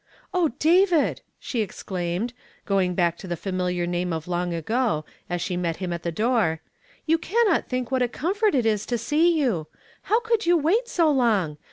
"O David!" she exclaimed, going back to the familiar name of long ago, as she met him at the door, " you cannot think what a comfort it is to see you! How could you wait so long?